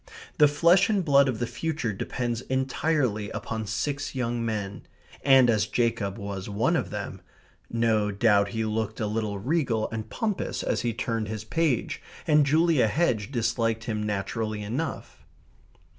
The flesh and blood of the future depends entirely upon six young men. And as Jacob was one of them, no doubt he looked a little regal and pompous as he turned his page, and Julia Hedge disliked him naturally enough.